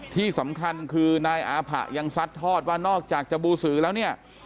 ที่สำคัญคือนายอาผะยังซัดทอดว่านอกจากจะบูสือแล้วเนี่ย